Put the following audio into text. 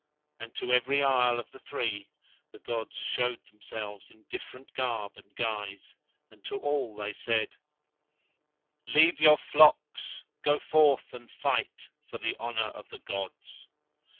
And to every isle of the three the gods showed themselves in different garb and guise, and to all they said: "Leave your flocks. Go forth and fight for the honour of the gods."